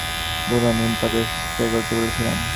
বুনো নিম পাতা স্প্রে করতে বলেছিলাম!